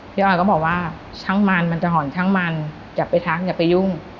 ออยก็บอกว่าช่างมันมันจะห่อนช่างมันอย่าไปทักอย่าไปยุ่ง